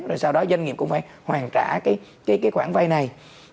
rồi sau đó doanh nghiệp cũng phải hoàn trả cái khoản vay này